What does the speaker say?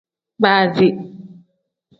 Baazi.